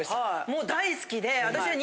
もう大好きで私は。